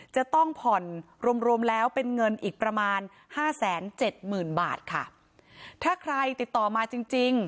จะต้องผ่อนรวมรวมแล้วเป็นเงินอีกประมาณห้าแสนเจ็ดหมื่นบาทค่ะถ้าใครติดต่อมาจริงจริง